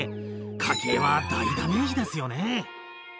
家計は大ダメージですよね。